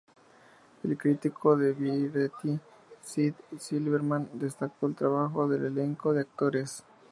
El crítico de "Variety" Sid Silverman destacó el trabajo del elenco de actores.